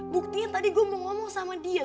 buktiin tadi gue mau ngomong sama dia